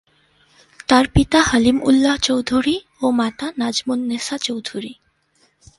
তার পিতা হালিম উল্লাহ চৌধুরী ও মাতা নাজমুন নেসা চৌধুরী।